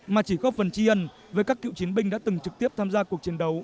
mà chỉ góp phần tri ân với các cựu chiến binh đã từng trực tiếp tham gia cuộc chiến đấu